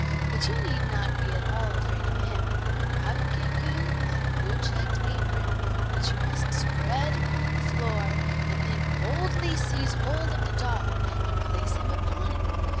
But you need not be at all afraid of him; I will give you my blue checked apron, which you must spread upon the floor, and then boldly seize hold of the dog, and place him upon it.